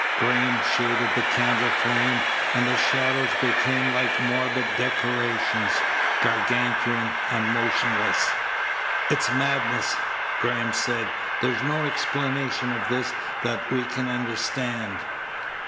Graham shaded the candle flame, and the shadows became like morbid decorations, gargantuan and motionless. "It's madness," Graham said. "There's no explanation of this that we can understand."